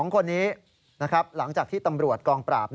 ๒คนนี้หลังจากที่ตำรวจกองปราบ